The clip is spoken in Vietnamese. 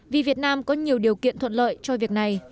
vì việt nam có nhiều điều kiện thuận lợi cho việc này